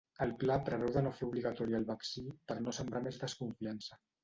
El pla preveu de no fer obligatori el vaccí per no sembrar més desconfiança.